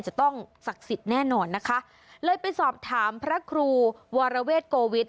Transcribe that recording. จะต้องศักดิ์สิทธิ์แน่นอนนะคะเลยไปสอบถามพระครูวรเวทโกวิทย